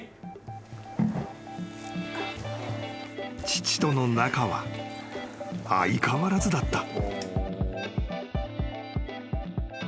［父との仲は相変わらずだった］